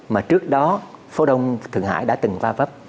mà trước đó phố đông thượng hải đã từng va vấp